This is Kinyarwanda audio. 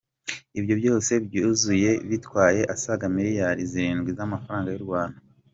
Ibyo byose byuzuye bitwaye asaga miliyari zirindwi z’amafaranga y’u Rwanda.